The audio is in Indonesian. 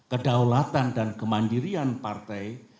kedaulatan dan kemandirian partai